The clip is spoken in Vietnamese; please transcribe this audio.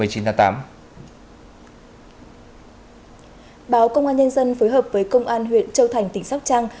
báo công an nhân dân phối hợp với công an huyện châu thành tỉnh sóc trăng